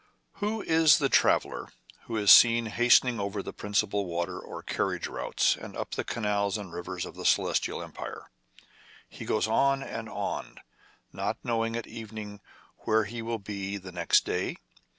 Who is the traveller who is seen hastening over the principal water or carriage routes and up the canals and rivers of the Celestial Empire ? He goe^on and on, not knowing at evening where he will be the next day.